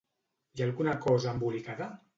Hi ha alguna cosa embolicada?